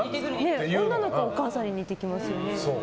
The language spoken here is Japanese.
女の子はお母さんに似てきますよね。